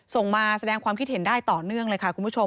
ส่งมาแสดงความคิดเห็นได้ต่อเนื่องเลยค่ะคุณผู้ชม